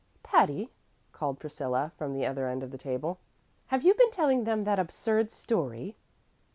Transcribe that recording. "Patty," called Priscilla, from the other end of the table, "have you been telling them that absurd story?"